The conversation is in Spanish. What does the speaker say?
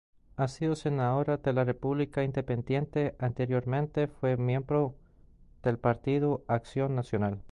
Ha sido senadora de la República, Independiente, anteriormente fue miembro del Partido Acción Nacional.